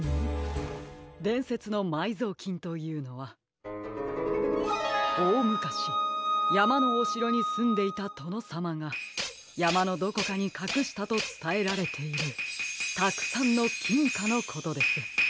でんせつのまいぞうきんというのはおおむかしやまのおしろにすんでいたとのさまがやまのどこかにかくしたとつたえられているたくさんのきんかのことです。